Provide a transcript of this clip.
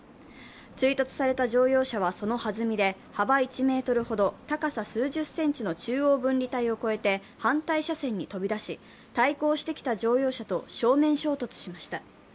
追突された乗用車はそのはずみで幅１ｍほど高さ数十センチの中央分離帯を越えて反対車線に飛び出し、対向してきた乗用車と正面衝突しました。